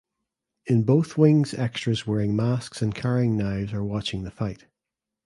In both wings extras wearing masks and carrying knives are watching the fight.